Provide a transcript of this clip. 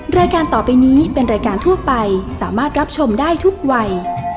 รายการต่อไปนี้เป็นรายการทั่วไปสามารถรับชมได้ทุกวัย